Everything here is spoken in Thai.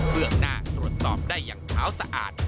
เรื่องหน้าตรวจสอบได้อย่างขาวสะอาด